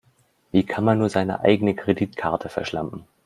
Wie kann man nur seine eigene Kreditkarte verschlampen?